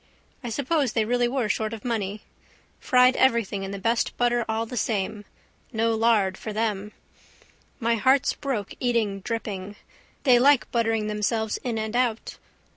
I suppose they really were short of money. Fried everything in the best butter all the same. No lard for them. My heart's broke eating dripping. They like buttering themselves in and out.